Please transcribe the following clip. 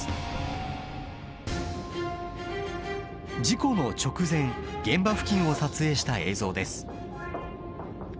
事故の直前現場付近を撮影した映像です。